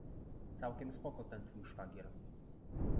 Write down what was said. Całkiem spoko ten twój szwagier.